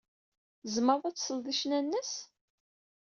Tzemreḍ ad tesleḍ i ccna-nnes?